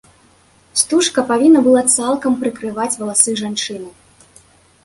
Стужка павінна была цалкам прыкрываць валасы жанчыны.